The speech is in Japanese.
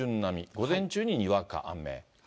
午前中ににわか雨。